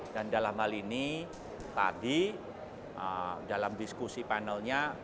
dan dalam hal ini tadi dalam diskusi panelnya